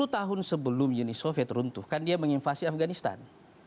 sepuluh tahun sebelum uni soviet runtuh kan dia menginvasi afganistan